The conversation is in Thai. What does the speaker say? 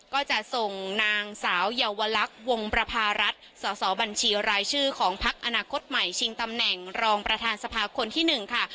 ก็จะส่งนางสาวเยาวลักษณ์วงประพารัฐสอสอบัญชีรายชื่อของพักอนาคตใหม่ชิงตำแหน่งรองประธานสภาคนที่๑ค่ะ